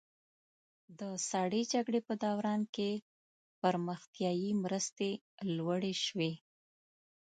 د سړې جګړې په دوران کې پرمختیایي مرستې لوړې شوې.